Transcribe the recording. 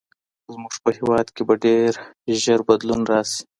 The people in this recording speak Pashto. زموږ په هېواد کې به ډېر ژر بدلون راسي.